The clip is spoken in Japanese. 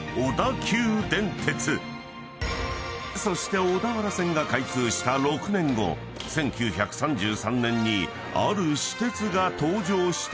［そして小田原線が開通した６年後１９３３年にある私鉄が登場したことで］